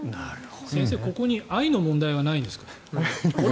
先生、ここに愛の問題はないんですか。